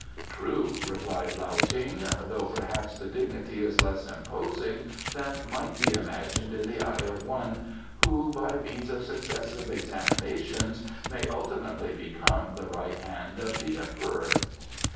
"True," agreed Lao Ting, "though perhaps the dignity is less imposing than might be imagined in the eye of one who, by means of successive examinations, may ultimately become the Right hand of the Emperor."